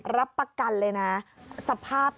รับประกันเลยนะสภาพ